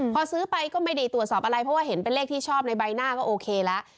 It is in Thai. พอซื้อไปก็ไม่ได้ตรวจสอบอะไรเพราะว่าเห็นเป็นเลขที่ชอบในใบหน้าก็โอเคแล้ว